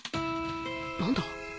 何だ？